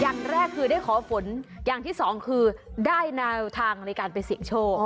อย่างแรกคือได้ขอฝนอย่างที่สองคือได้แนวทางในการไปเสี่ยงโชค